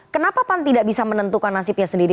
kenapa pan tidak bisa menentukan nasibnya sendiri